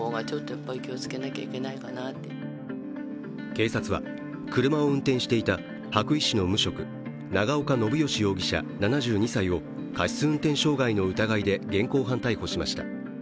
警察は、車を運転していた羽咋市の無職長岡信好容疑者７２歳を過失運転傷害の疑いで現行犯逮捕しました。